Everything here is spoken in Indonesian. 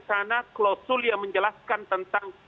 sana klausul yang menjelaskan tentang